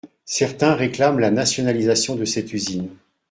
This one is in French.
Certains réclament la nationalisation de cette usine.